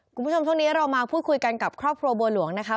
คุณผู้ชมช่วงนี้เรามาพูดคุยกันกับครอบครัวบัวหลวงนะคะ